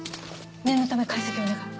念のため解析お願い。